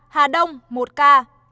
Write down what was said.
hà đông một ca